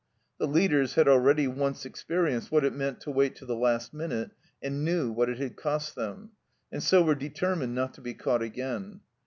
The leaders had already once experienced what it meant to wait to the last minute, and knew what it had cost them, and so were determined not to be caught again.